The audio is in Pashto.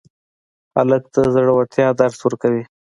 هلک د زړورتیا درس ورکوي.